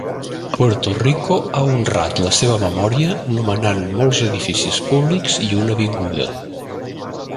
Puerto Rico ha honrat la seva memòria nomenant molts edificis públics i una avinguda.